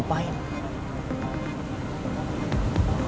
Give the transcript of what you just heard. akhirnya hal hal yang penting lo lupain